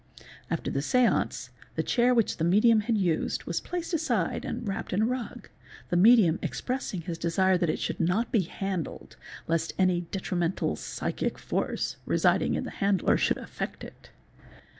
After the séance the chair which the medium had used was placed aside and wrapped in a rug, the medium expressing his desire that it should not be handled, lest any detrimental psychic foree, residing in the handler, should affect it.